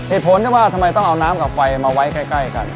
เหตุผลที่ว่าทำไมต้องเอาน้ำกับไฟมาไว้ใกล้กัน